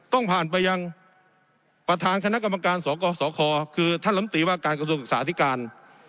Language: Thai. ต้องผ่านไปยังประธานคณะกรรมการสกสคคือท่านลำตีว่าการกระทรวงศึกษาธิการ